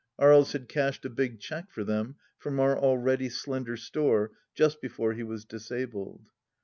Aries had cashed a big cheque for them from our already slender store, just before he was disabled.